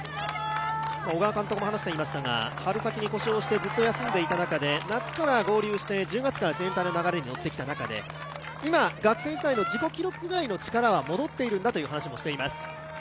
小川監督も話していましたが、春先に故障してずっと休んでいた中で夏から合流して１０月から全体の流れに乗ってきた中で今、学生時代の自己記録ぐらいの力は戻っているんだと話しています。